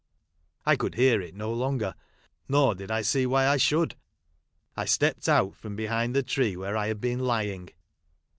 I could bear it no longer, nor did I see why I should. I stepped out from behind the tree where I had been lying.